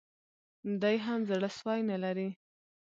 دی هم زړه سوی نه لري